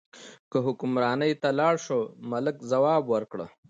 که حکمرانۍ ته لاړ شو، ملک ځواب ورکړ.